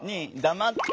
黙って？